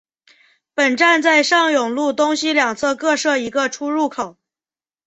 本站在上永路东西两侧各设一个出入口。